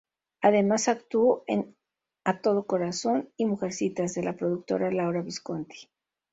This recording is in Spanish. Además, actuó en "A Todo Corazón" y "Mujercitas" de la productora Laura Visconti.